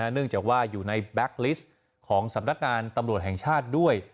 เนื่องจากว่าอยู่ในแบ็คลิสต์ของสำนักงานตำรวจแห่งชาติด้วย